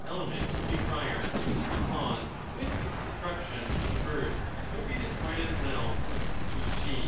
8 1218" element would be prior, because with its destruction the first w^ould be destroyed as well ; e. g.